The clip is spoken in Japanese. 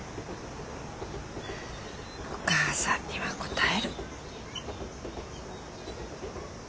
お母さんにはこたえる。